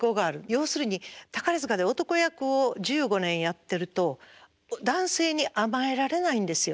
要するに宝塚で男役を１５年やってると男性に甘えられないんですよ。